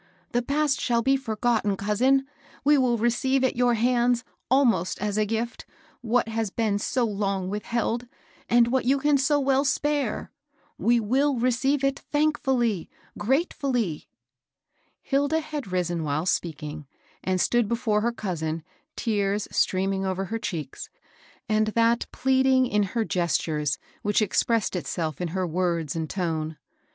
The past shall be forgotten, cousin; we will receive at your hands, almost as a ^, what has been so long widiheld, and what you can so well spare; we will recdve it, thankfully, gratefiilly/' Hilda had risen while speaking, and stood before her cousin, tears streaming over her cheeks, and that pleading in her gestures which ex^ pressed itself in her words and tone.